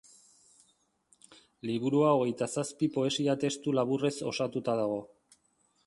Liburua hogeita zazpi poesia-testu laburrez osatuta dago.